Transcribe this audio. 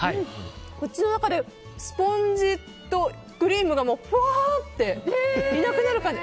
口の中でスポンジとクリームがふわーっていなくなる感じ。